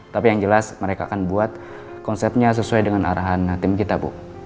tapi yang jelas mereka akan buat konsepnya sesuai dengan arahan tim kita bu